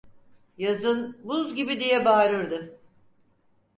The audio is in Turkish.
Yazın "buz gibi!" diye bağırırdı.